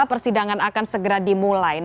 persidangan akan segera dimulai